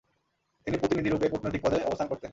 তিনি প্রতিনিধিরূপে কূটনৈতিক পদে অবস্থান করতেন।